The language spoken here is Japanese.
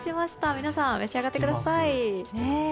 皆さん、召し上がってください。